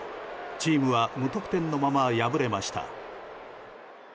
チームは無得点のまま敗れました。